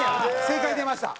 正解出ました。